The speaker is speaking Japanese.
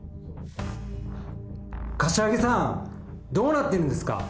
柏木さん、どうなってるんですか。